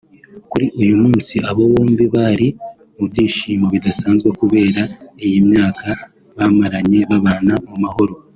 Kuri uyu munsi abo bombi bari mu byinshimo bidasanzwe kubera iyi myaka bamaranye babana mu mahoro